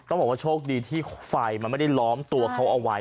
บอกว่าโชคดีที่ไฟมันไม่ได้ล้อมตัวเขาเอาไว้